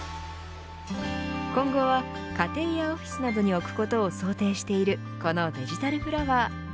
今後は、家庭やオフィスなどに置くことを想定しているこのデジタルフラワー。